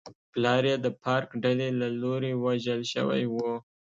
پلار یې د فارک ډلې له لوري وژل شوی و.